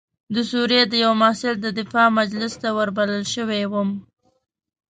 د سوریې د یوه محصل د دفاع مجلس ته وربلل شوی وم.